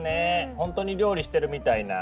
本当に料理してるみたいな。